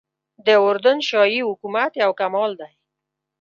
د اردن شاهي حکومت یو کمال دی.